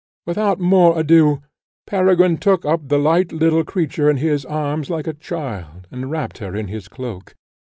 Without more ado, Peregrine took up the light little creature in his arms like a child, and wrapt her in his cloak.